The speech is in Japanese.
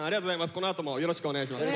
このあともよろしくお願いします。